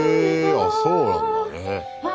あそうなんだね。